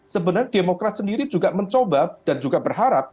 sebenarnya demokrat sendiri juga mencoba dan juga berharap